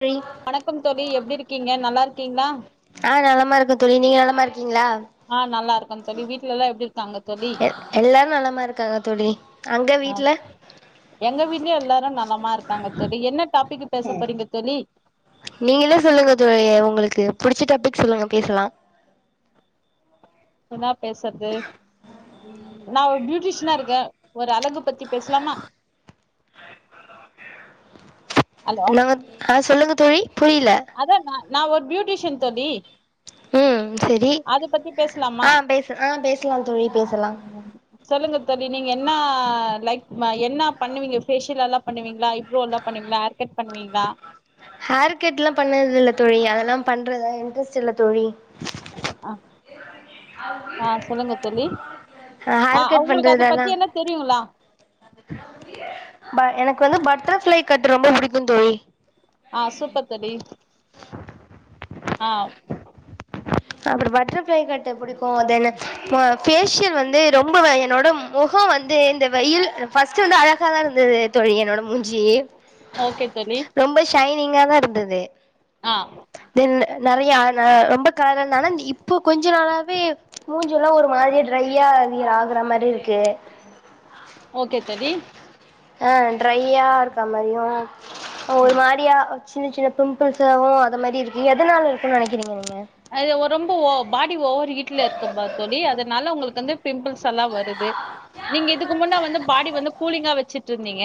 சேரிங் வணக்கம் தோழி எப்டிருக்கீங்க நல்லாருக்கீங்ளா ஆ நலமாருக்கெ தோழி நீங்க நலமாருக்கீங்ளா ஆ நல்லா இருக்கோம் தோழி வீட்ல எல்லா எப்டி இருக்காங்க தோழி எ எல்லாரு நலமாருக்காங்க தோழி அங்க ஆ வீட்ல எங்க வீட்லயு எல்லாரு நலமாருக்காங்க தோழி என்ன டாபிக்கு பேச போறீங்க தோழி நீங்களெ சொல்லுங்க தோழி உங்களுக்கு புடிச்ச டாபிக் சொல்லுங்க பேசலா என்னா பேஸ்றது நா ஒரு பியூட்டிஷனாருக்கே ஒரு அழகு பத்தி பேசலாமா ஹலோ என்னங்க ஆ சொல்லுங்க தோழி புரில அதா நா நா ஒரு பியூட்டிஷன் தோழி ம் செரி அத பத்தி பேசலாமா ஆ பேசு ஆ பேசலாம் தோழி பேசலாம் ம், சொல்லுங்க தோழி நீங்க என்னா லைக் என்ன பண்ணுவீங்க ஃபேஷியல்ல்லா பண்ணுவீங்களா ஐபுரோல்லாம் பண்ணுவிங்ளா ஹார் கட் பண்ணுவீங்ளா ஹேர் கட்லாம் பண்ணதுல்ல தோழி அதெல்லா பண்றதா இன்ட்ரெஸ்ட் இல்ல தோழி ஆ ஆ சொல்லுங்க தோழி ஆ ஹேர் கட் அவுங்களுக்கு அத பண்றதெல்லா பத்தி என்ன தெரியுங்களா எனக்கு வந்து பட்டர்ஃப்ளை கட்டு ரொம்ப புடிக்கும் தோழி ஆ சூப்பர் தோழி ஆ அப்றோ பட்டர்ஃப்ளை கட்டு புடிக்கு அது என்ன ஃபேஷியல் வந்து ரொம்ப வ என்னோட முகம் வந்து இந்த வெயில் ஃபஸ்ட்டு வந்து அழகா தா இருந்துது தோழி என்னோட மூஞ்சி ஓகே தோழி ரொம்ப ஷைனிங்கா தாருந்துது ஆ தென் நறையா அ ரொம்ப காலராருந்தே ஆனா இப்போ கொஞ்சோ நாளாவே மூஞ்சுல்லா ஒரு மாதிரி ட்ரையா ஆகுற மாரிருக்கு ஓகே தோழி ஆ ட்ரையாருக்க மாரியு ஒரு ம் மாரியா சின்ன சின்ன பிம்பிள்ஸாவு அது மாரிருக்கு எதனால இருக்குன்னு நெனைக்கிறீங்க நீங்க அது ரொம்ப ஓ பாடி ஓவர் ஹீட்லருக்கு பா தோழி அதனால உங்களுக்கு வந்து பிம்பிள்ஸ் எல்லா வருது நீங்க இதுக்கு முன்னா வந்து பாடி வந்து கூலிங்கா வச்சிட்டுருந்தீங்க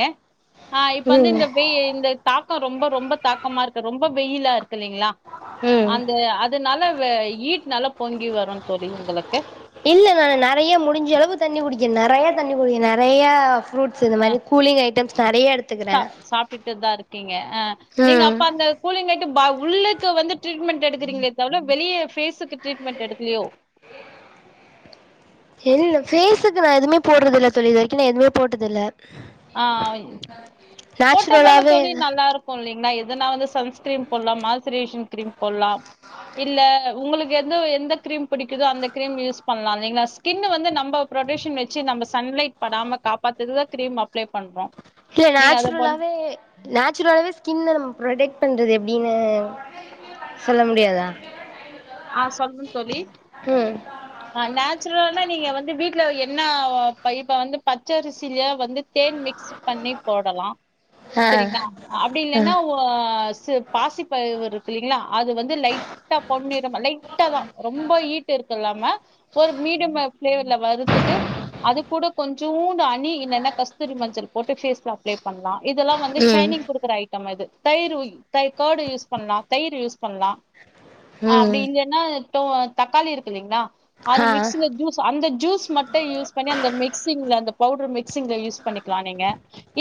ஆ இப்ப வந்து ம் இந்த வெயி இந்த தாக்கம் ரொம்ப ரொம்ப தாக்கமாருக்கு ரொம்ப வெயிலாருக்கு இல்லைங்களா ம் அந்த அது நல்லா வ ஹுட்னால பொங்கி வரும் தோழி உங்ளுக்கு இல்ல நா நெறையா முடிஞ்ச அளவு தண்ணி குடிக்கே நேறையா தண்ணி குடிக்கே நெறையா ஃப்ரூட் சோ இந்த மாரி கூலிங் ஐட்டம்ஸ் நெறையா எடுத்துக்கறே சாப்டுட்டுதாருக் க்கீங்க ஆ நீங்க ம் அப்ப அந்த கூலிங் ஐட் பா உள்ளுக்க வந்து ட்ரீட்மெண்ட் எடுக்குறீங்களே தவிர வெளிய ஃபேஸ்க்கு ட்ரீட்மெண்ட் எடுக்லையோ இல்ல பேஸுக்கு நா எதுமே போடுறது இல்ல தோழி இது வரைக்கு நா எதுமே போட்டது இல்ல ஆ போட்டாதான தோழி இல்ல நல்லாருக்கு இல்லைங்களா எதுனாது சன்ஸ்கிரீம் போடலாம் மாசுரேஷன் கிரீம் போடலாம் இல்ல உங்களுக்கு எது எந்த கிரீம் பிடிக்குதோ அந்த கிரீம் யூஸ் பண்ணலா இல்லைங்களா ஸ்கின்னு வந்து நம்ப புரொடெக்க்ஷன் வச்சு நம்ப சன்லைட் படாம காப்பாத்துறக்கு கிரீம் அப்ளை பண்றோ இல்ல நீங்க அத பண் நேச்சுரலாவே நேச் நேச்சுரலாவே ஸ்கின்னு ப்ரொடெக்ட் பண்றது எப்டின்னு சொல்ல முடியாதா ஆ சொல்றே தோழி ம் அ நேச்சுரலானா நீங்க வந்து வீட்ல என்ன இப்ப வந்து பச்சரிலே வந்து தேன் மிக்ஸ் பண்ணி போடலா ஆ சரிங்களா அப்டி ஆ இல்லன்னா இப்போ சு பாசிப்பயறு இருக்கு இல்லைங்களா அது வந்து லைட்டா போட்டு லைட்டா தா ரொம்ப ஹீட் இருக்கு இல்லாம ஒரு மீடியம் பிளேவர்ல வறுத்துட்டு அது கூட கொஞ்சோண்டு ஹணி இல்லன்னா கஸ்தூரி மஞ்சள் போட்டு பேஸ்ல அப்ளை பண்லா இதெல்லா வந்து ம் ஷைனிங் குடுக்குற ஐ இது தயிரு கேர்டு யூஸ் பண்லா தயிரு யூஸ் பண்லா ஆ அப்டி ம் இல்லைன்னா ததக்காளி இருக்கு இல்லைங்களா அது ஆ மிக்சில ஜூஸ் அந்த ஜூஸ் மட்டு யூஸ் பண்ணி அந்த மிக்சிங்ல அந்த பவுடர் மிக்சிங்ல யூஸ் பண்ணிக்கலா நீங்க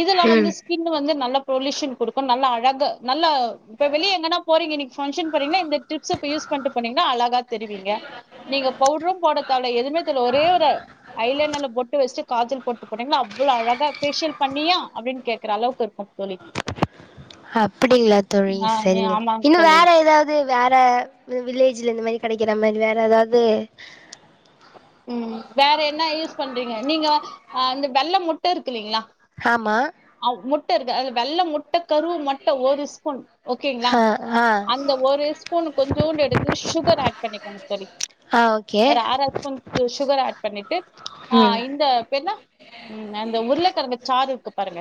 இதுல ம் வந்து ஸ்கின் வந்து நல்லா பொல்யூஷன் குடுக்கு நல்லா அழகு நல்ல இப்ப வெளிய எங்கனா போறீங்க இன்னைக்கு பங்க்ஷன் போறீங்களா இந்த டிப் சோப்ப யூஸ் பண்ட்டு போனீங்கா அழகா தெரிவீங்க நீங்க பவுட்ரு போடறதால எதுவுமே தேர்ல ஒரே ஒரு ஐலைன்ல்ல பொட்டு வெச்ட்டு காஜல் போட்டு போனிங்கனா அவ்ளோ அழகா ஃபேஷியல் பண்ணியா அப்டின்னு கேக்குற அளவுக்கு இருக்கு தோழி ஆ ஆமாங்க இன்னு தோழி வேற ஏதாவது து வேற வில்லேஜ்ல இந்த மாரி கெடைக்கிற மாரி வேற ஏதாவது ம் வேற என்ன யூஸ் பண்றீங்க நீங்க ஆஹ இந்த வெள்ள முட்ட இருக்குல்லீங்ளா ஆமா அ முட்ட இருக்கு அதுல வெள்ள முட்டை கருவ மட்டு ஒரு ஸ்பூன் ஓகேங்ளா ஆ ஆ அந்த ஒரு ஸ்பூன் கொஞ்சூண்டு எடுத்ட்டு சுகர் ஆட் பண்ணிக்கோங்க தோழி ஆ ஓகே ஒரு அர சுகர் ஆட் பண்ணிட்டு ஆ ம் இந்தப் பெனா உம் அந்த உருளைக்கிழங்கு சாறு இருக்கு பாருங்க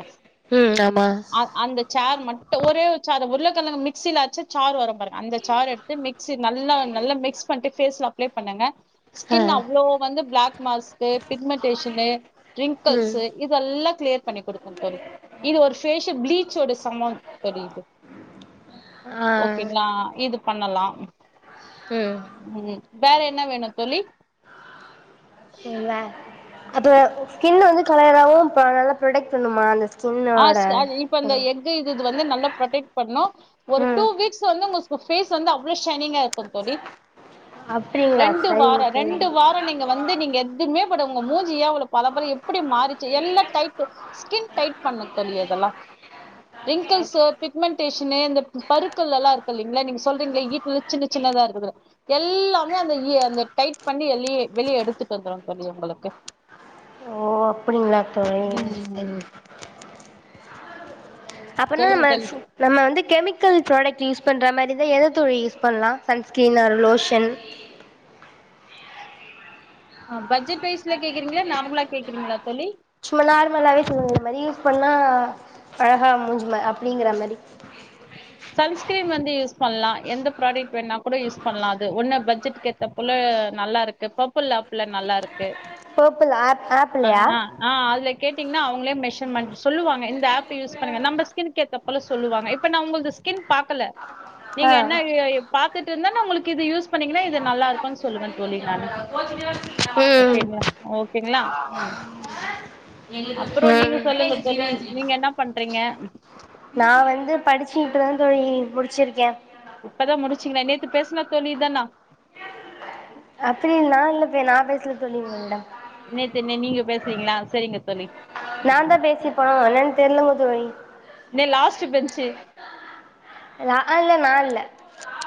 ம் ஆமா ஆ அந்த சேர் மட்டு ஒரே சார் உருளக்கிழங்கு மிக்சியிலாச்சு சார் வரம்பாருங் அந்த சார் எடுத்து மிக்சி நல்லா நல்லா மிக்ஸ் பண்ணிட்டு ஃபேஸ்ல அப்ளே பண்ணுங்க ஆ ஸ்கின் அவ்ளோ வந்து பிளாக் மாஸ்கு பிக்மெண்டேஷனு ம் ரிங்கிள்ஸு இதெல்லாம் கிளியர் பண்ணி கொடுக்கு தோழி இது ஒரு ஃபேஷியல் பிளீச்சோட சமம் தோழி இது ஆ ஓகேங்களா இது பண்ணலா ம் ம் வேற என்ன வேணு தோழி தே அது ஸ்கின் வந்து கலராவு நல்லா ப்ராடக்ட் பண்ணுமா லி ஆ ஸ்வா இப்ப அந்த எக்கு இது வந்து நல்லா ப்ரொடெக்ட் பண்ணு ஒரு ம் டூ வீக்ஸ் வந்து உங்க பே பேஸ் வந்து அவ்ளோ ஷைனிங்கா இருக்கு தோழி அப்படிங்களா ரெண்டு சரிங்க வார தோழி ரெண்டு வார நீங்க வந்து நீங்க துமே போட உங்க மூஞ்ஜியே இவ்ளோ பல பல எப்டி மாறிச்சு எல்லாம் டைட் ஸ்கின் டைட் பண்ணு தோழி அதெல்லா ரிங்கிள்ஸு பிக்மெண்ட்டேஷனு இந்தப் பருக்கள் எல்லா இருக்கு இல்லைங்களா நீங்க சொல்றீங்களே வீட்ல சின்ன சின்னதா இருக்குது எல்லாமே அந்த இ அந்த டைட் பண்ணி வெளியே வெளிய எடுத்ட்டு வந்துரும் தோழி உங்களுக்கு ஓ அப்டிங்களா தோழி ம் அப்பனா சொல்லுங்க தோழி மேசு நம்ம வந்து கெமிக்கல் ப்ராடக்ட் யூஸ் பண்ற மாரி இருந்தா எத தோழி யூஸ் பண்லா சன்ஸ்கிரீன் ஆர் லோஷன் ஆ பட்ஜெட் ப்ரெய்ஸ் ல கேக்றீங்களா நார்மலா கேக்கறீங்களா தோழி சும்மா நார்மலாவே சொல்லுங்க இது மாரி யூஸ் பண்ணா அழகா மூஞ்சுமா அப்படிங்கிற மாரி [inaudible] சன்ஸ்கிரீன் வந்து யூஸ் பண்லா எந்த ப்ராடெக்ட் வேணா கூட யூஸ் பண்லா அது ஒன்ன பட்ஜெட்க்கு ஏத்த போல நல்லா இருக் த பப்புல்லாப்புல நல்லா இருக்கு பொர்ப்புல் ஆப் ஆ ஆப்லியா ஆ அதுல கேட்டிங்ன்னா அவுங்களே மெஷர்மெண்ட் சொல்லுவங்க இந்த ஆப் யூஸ் பண்ணுங்க நம்ம ஸ்கின்க்கேத்தா போல சொல்லுவாங்க இப்ப நா உங்கள்து ஸ்கின் பாக்கல நீங்க ஆ என்னா இது பாத்துட்டு இருந்தாலே நம்மளுக்கு இது யூஸ் பண்ணிங்கனா இது நல்லா இருக்கான் சொல்லுவே தோழி நானு ம் ஓகேங்களா ஓகேங்களா ம் அப்புறோ நீங்க ம் சொல்லுங்க தோழி நீங்க என்ன பண்றீங்க நா வந்து படிச்சுட்றுந் தோழி முடிச்சிருக்கே இப்பதா முடிச்சிங்களா நேத்து பேசின தோழி இதானா அப்டி நா இல்ல பே நா பேசுல தோழி உங்ககூட நேத்தென்னே நீங்க பேசுவீங்களா செரிங்க தோழி நா தா ம் பேசிர்ப்பனோ என்னனு தெரியலங்க தோழி ந்தே லாஸ்ட்டு பெஞ்சு நாஇல்ல நால்ல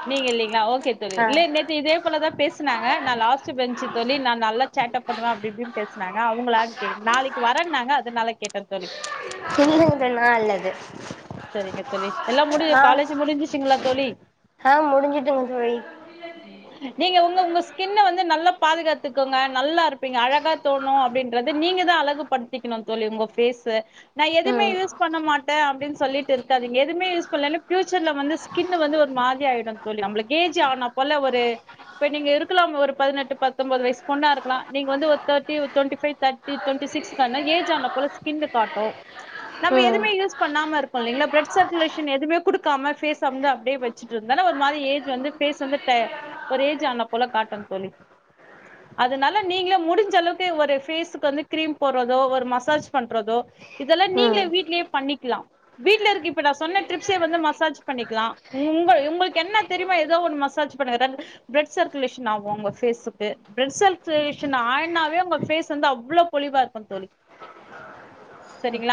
நீங்கல்லீங்ளா ஓகே தோழி இலே நேத் து இதே போல தா பேசுனாங்க நா லாஸ்ட்டு பெஞ்சு தோழி நா நல்லா சேட்டப் பண்ணுவ அப்டி இப்டி பேசுனாங்க அவுங்களான் கே நாளக் வரன்னாங்க அதுனால கேட்டந்தோழி இல்லங்ல நாஇல்ல அது செரிங்க தொலி எல்லா முடிஞ் ஆ காலேஜி முடிஞ்சுச்சுங்களா தோழி ஆ முடிஞ்சுட்டுங்க தோழி நீங்க ஒங்க ஒங்க ஸ்கின்ன வந்து நல்லா பாதுகாத்துக்கோங்க நல்லாருப்பீங்க அழகா தோணு அப்டின் றது நீங்கதா அழகு படுத்திக்குணு தோழி ஒங்க பேஸ நா எதுமே ம் யூஸ் பண்ண மாட்ட அப்டின் சொல்லிட்டு இருக்காதிங்க எதுமே யூஸ் பண்லனா பியூச்சர்ல வந்து ஸ்கின்னு வந்து ஒரு மாரி ஆய்டு தோழி நம்ளுக் ஏஜ் ஆனாப் போல ஒரு இப்ப நீங்க இருக்கலாம் ஒரு பதினெட்டு பத்தோம்பது வயசு பொண்ணாருக்கலா நீங்க வந்து ஒரு தேட்டி ஒரு டொண்ட்டிஃபை தேட் டொண்ட்டி சிக்ஸ்க்தா ன ஏஜ் ஆனப்பற ஸ்கின்னு காட்டு நம்ம ம் எதுமே யூஸ் பண்ணாமருக் சொல்லீங்களா ப்ளட் சர்குலேஷன் எதுமே குடுக்காம ஃபேஸ் அ வந்து அப்டியே வச்சிட்ருந்தனா ஒரு மாரி ஏஜ் வந்து ஃபேஸ் வந்து ட ஒரு ஏஜ் ஆன போல காட்டுந்தோழி அதுனால நீங்களே முடிஞ்சளவுக்கு ஒரு ஃபேஸுக்கு வந்து க்ரீம் போட்றதோ ஒரு மசாஜ் பண்றதோ இதலா ம் நீங்ளே வீட்லே பண்ணிக்லா வீட்லருக்கு இப்ப நா சொன்ன டரிப்ஸே வந்து மசாஜ் பண்ணிக்லா உங்க உங்களுக்கென்ன தெரிமா எதோ ஒன் மசாஜ் பண்ண எதாகுது ப்ளட் சர்க்குலேஷன் ஆவு ஒங்க ஃபேஸுக்கு ப்ளட் சர்குலேஷன் ஆனாவே ஒங்க ஃபேஸ் வந்து அவ்ளோ பொழிவாருப்பந்தோழி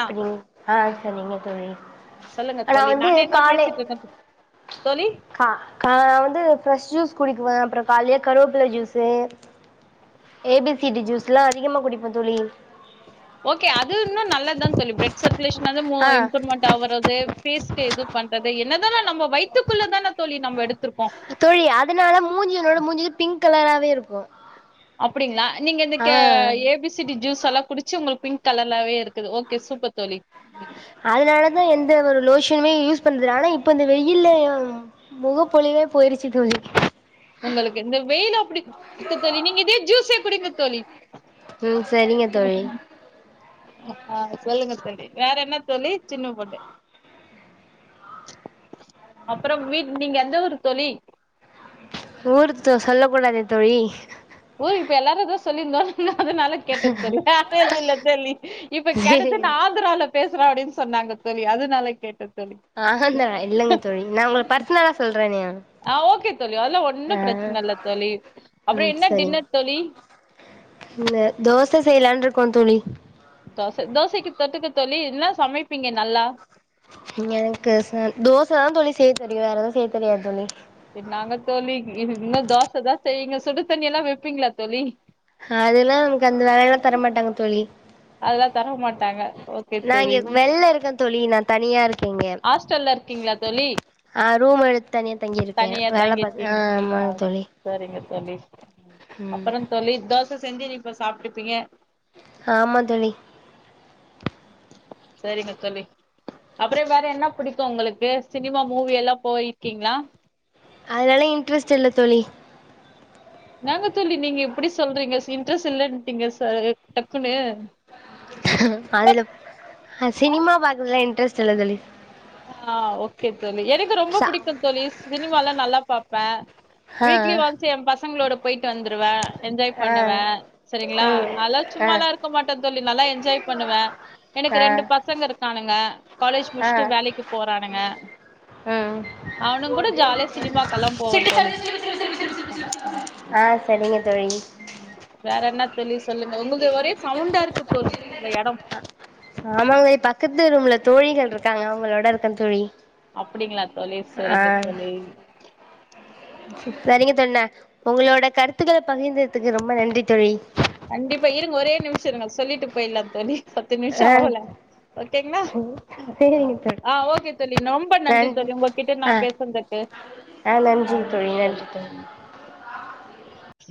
ப்ப னீங் அ செரிங்க தோழி சொல்லுங்க நா தோழி வந்து நானேதா காலை பேசிட்ருக்க தோழி தோழி கா கா வந்து ஃப்ரெஷ் ஜூஸ் குடிக்குவ அப்புறோ கால்லியே கருவேப்புல juice A B C D ஜூஸ்லா அதிகமா குடிப்பந் தோழி ஓகே அது இன்னு நல்லதாந்தோழி ப்ளட் சர்க்குலேஷனது மு ஆ இம்ப்ரூமண்ட் டாவறது பேஸ்ட்டு எது பண்றது என்னதானு நம்ப வயத்துக்குள்ளதான தோழி நம்ப எடுத்துருக்கோ தோழி அதுனால மூஞ்சி என்னோட மூஞ்சி பிங்க் கலராவே இருக்கும் அப்டிங்ளா நீங்க இந்த K A B C C D ஜூஸலா குடிச்சு ஒங்ளுக் பிங்க் கலர்லாவே இருக்குது ஓகே சூப்பர் தோழி அதுனாலதா எந்த ஒரு லோஷனுமே யூஸ் பண்ல ஆனா இப்ப இந்த வெயில்ல யும் முகப்பொலிவே போயிரிச்சி தோழி உங்குளுக்கு இந்த வெயிலப்பிடி இருக்கு தோழி நீங்க இதே ஜூஸே குடிங்க தோழி [inaudible] ம் சரிங்க தோழி அ ஆ சொல்லுங்க தோழி வேறென்ன தோழி சின்ன பொண்ணு அப்புறம் வீட் நீங்க எந்த ஊரு தோழி ஊரு து சொல்ல கூடாதே தோழி ஒய் இப்ப எல்லாருதான் சொல்லிருந்தோம் அதுனால கேட்டந்தோழி வேறெது இல்ல தோழி இப்ப கேட்டது நா சேரிங்க ஆக்ரால பேசுறேன் அப்டின் சொன்னாங்க தோழி அதுனால கேட்டந்தோழி ஆஹால்ல இல்லங்க தோழி நா உங்களு பர்சனலா சொல்றனே நானு அ ஓகே தோழி அதுலான் ஒன்னு ப்ரச்சனல்ல தோழி அப்புறம் என்ன டின்னர் தோழி இல்ல தோச செய்யலான்ருக்கோம் தோழி தொச தோசக்கி தொட்டுக்க தோழி இன்னா சமைப்பீங்க நல்லா எனக்கு ச தோசதான் தோழி செய்ய தெரியும் வேறெதுவு செய்ய தெரியாது தோழி என்னாங்க தோழி இது இன்னு தோசைதா செய்யிங்க சுடு தண்ணில்லா வெப்பீங்களா தோழி ஹதல்லா நமக்கந்த வேலல்லா தரமாட்டாங்க தோழி அதெல்லா தர மாட்டாங்க ஓகே நா இங்க தோழி வெளில இருக்கே தோழி நா தனியா இருக்கேங்க ஹாஸ்டல்ல இருக்கீங்களா தோழி ஆ ரூம் எடுத்து தனியா தங்கிருக்கே தனியா வேலை தங்கி பாத் ஆ இருக்கீங்க ஆமாங்க ஆ தோழி ம் அப்புற தோழி தோச செஞ்சி நிப்ப சாப்ட்ருப்பீங்க ஆமா தோழி சரிங்க தோழி அப்புற வேற என்ன புடிக்கும் உங்களுக்கு சினிமா மூவி எல்லா போயிருக்கீங்களா அதலல்லா இன்ட்ரெஸ்ட் இல்ல தோழி இன்னாங்க தோழி நீங்க இப்டி சொல்றீங்க சி இன்ட்ரெஸ்ட் இல்லட்டீங்க சார் டக்குனு அதுல சினிமா பாக்குறதுல இன்ட்ரெஸ்ட் இல்ல தோழி ஆ ஓகே தோழி எனக்கு ரொம்ப சா புடிக்கு தோழி சினிமாலா நல்லா பாப்பே ஆ வீக்லி ஒன்ஸ் எ பசங்களோட போயிட்டு வந்துருவே என்ஜாய் ஆ பண்ணுவே சரிங்களா ம் அதலா ஆ சும்மாலா இருக்க மாட்டே தோழி நல்லா என்ஜாய் பண்ணுவே எனக்கு ஆ ரெண்டு பசங்க இருக்கானுங்க காலேஜ் ஆ முடிஷ் டு வேலைக்கு போறானுங்க ம் அவனு கூட ஜாலிய சினிமாக்கெல்லா போவே தோழி ஆ சரிங்க தோழி ம் வேற என்ன தோழி சொல்லுங்க உங்களுது ஒரே சவுண்டா இருக்கு தோழி உங்க இடம் ஆமாங்க பக்கத்து ரூம்ல தோழிகள் இருக்காங்க அவங்களோட இருக்க தோழி அப்டிங்களா தோழி ஆ சரிங்க தோழி சரிங்க தோழி நா உங்களோட கருத்துக்கள பகிர்ந்ததுக்கு ரொம்ப நன்றி தோழி கண்டிப்பா இருங்க ஒரே நிமிஷ இருங்க சொல்லிட்டு போயிலா தோழி பத்து நிமிஷம் ஆ ஆவல ஓகேங்களா சரிங்க தோழி ஆ ஓகே தோழி ரொம்ப நன்றி நன் தோழி உங்ககிட்ட நா ஆ பேசுறதுக்கு ஆ நன்றி தோழி நன்றி தோழி